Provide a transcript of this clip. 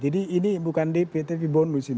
jadi ini bukan dpd tapi boun muzin